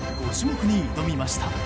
５種目に挑みました。